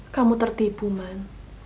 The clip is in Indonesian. kamu tertipu man